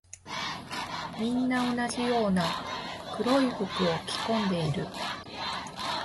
みんな同じような黒い服を着込んでいる。